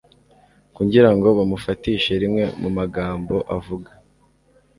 kugira ngo bamufatishe rimwe mu magambo avuga,